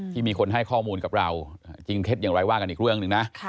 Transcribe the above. มีคนให้ข้อมูลกับเราจริงเท็จอย่างไรว่ากันอีกเรื่องหนึ่งนะ